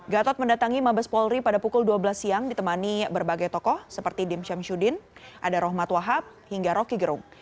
gatot mendatangi mabes polri pada pukul dua belas siang ditemani berbagai tokoh seperti dim syamsuddin ada rohmat wahab hingga roky gerung